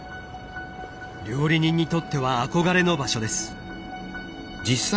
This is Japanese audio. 料理人にとっては憧れの場所です。